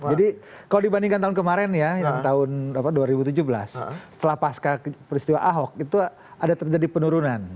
jadi kalau dibandingkan tahun kemarin ya tahun dua ribu tujuh belas setelah pasca peristiwa ahok itu ada terjadi penurunan